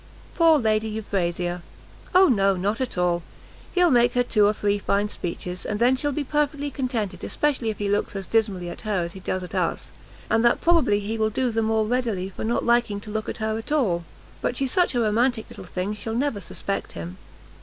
"Poor Lady Euphrasia!" "O no, not at all; he'll make her two or three fine speeches, and then she'll be perfectly contented especially if he looks as dismally at her as he does at us! and that probably he will do the more readily for not liking to look at her at all. But she's such a romantic little thing, she'll never suspect him."